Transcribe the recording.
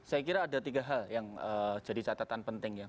saya kira ada tiga hal yang jadi catatan penting ya